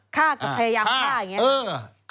ฆ่ากับพยายามฆ่าอย่างนี้